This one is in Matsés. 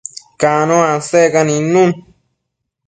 Cano asecca nidnun